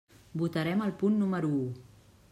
Votarem el punt número u.